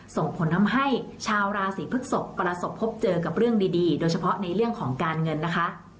ส่งผลทำให้ชาวราศีพฤกษกประสบพบเจอกับเรื่องดีโดยเฉพาะในเรื่องของการเงินนะคะ